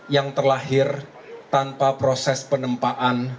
yang terlahir tanpa proses penempaan